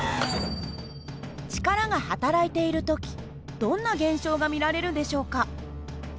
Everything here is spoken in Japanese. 力がはたらいている時どんな現象が見られるんでしょうか？